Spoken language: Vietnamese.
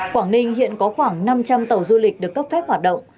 quảng ninh hiện có khoảng năm trăm linh tàu du lịch được cấp phép hoạt động